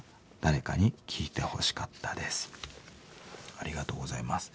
ありがとうございます。